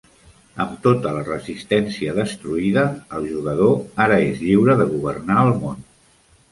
Amb tota la resistència destruïda, el jugador ara és lliure de governar el món.